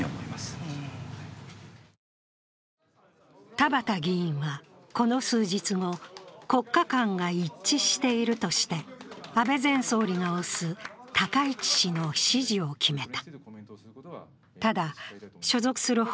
田畑議員はこの数日後、国家観が一致しているとして安倍前総理が推す高市氏の支持を決めた。